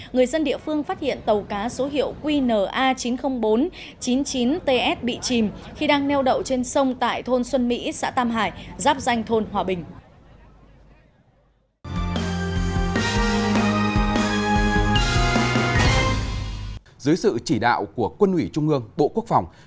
người dân địa phương phát hiện tàu cá số hiệu qna chín mươi nghìn bốn trăm chín mươi chín ts bị chìm khi đang neo đậu trên sông